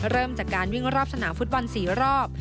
เริ่มจากการวิ่งรอบสนามฟุตบอล๔รอบ